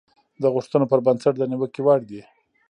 د غوښتنو پر بنسټ د نيوکې وړ دي.